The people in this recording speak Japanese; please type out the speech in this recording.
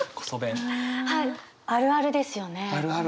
あるあるですよね。